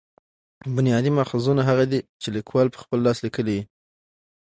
بنیادي ماخذونه هغه دي، چي لیکوال په خپل لاس لیکلي يي.